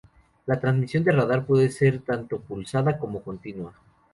La transmisión de radar puede ser tanto pulsada como continua.